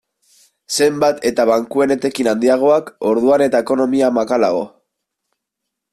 Zenbat eta bankuen etekin handiagoak, orduan eta ekonomia makalago.